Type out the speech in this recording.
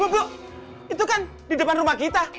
bu itu kan di depan rumah kita